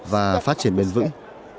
và phát triển bền vững